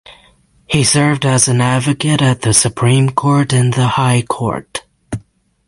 He served as an advocate at the Supreme Court and the High Court.